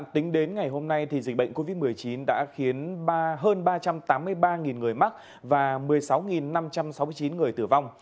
tính đến ngày hôm nay dịch bệnh covid một mươi chín đã khiến hơn ba trăm tám mươi ba người mắc và một mươi sáu năm trăm sáu mươi chín người tử vong